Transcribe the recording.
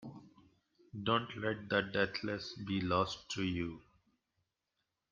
Don't let the deathless be lost to you.